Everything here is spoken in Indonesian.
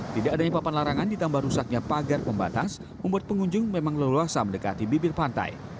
tidak adanya papan larangan ditambah rusaknya pagar pembatas membuat pengunjung memang leluasa mendekati bibir pantai